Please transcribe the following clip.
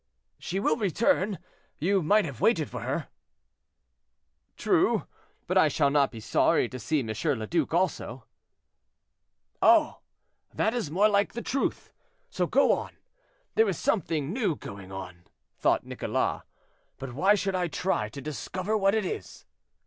"She will return, you might have waited for her." "True; but I shall not be sorry to see M. le Duc also." "Oh! that is more like the truth, so go on. There is something new going on," thought Nicholas; "but why should I try to discover what it is?"